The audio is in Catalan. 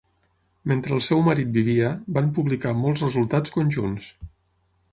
Mentre el seu marit vivia, van publicar molts resultats conjunts.